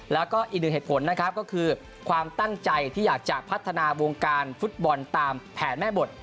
แล้วก็อีกหนึ่งเหตุผลนะครับก็คือความตั้งใจที่อยากจะพัฒนาวงการฟุตบอลตามแผนแม่บท